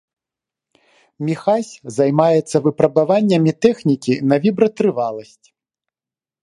Міхась займаецца выпрабаваннямі тэхнікі на вібратрываласць.